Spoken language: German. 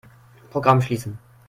Programm schließen.